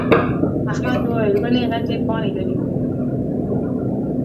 احمد وويل: ونې غتې پاڼې لري.